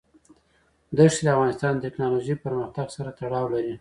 دښتې د افغانستان د تکنالوژۍ پرمختګ سره تړاو لري.